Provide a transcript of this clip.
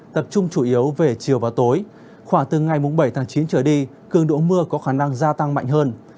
tập trung chủ yếu về chiều và tối khoảng từ ngày bảy tháng chín trở đi cường độ mưa có khả năng gia tăng mạnh hơn